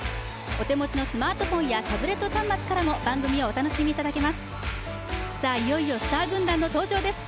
お手持ちのスマーフォンやタブレット端末からも番組をお楽しみいただけます。